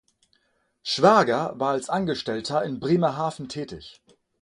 Schwager war als Angestellter in Bremerhaven tätig.